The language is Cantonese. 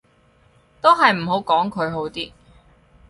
都係唔好講佢好啲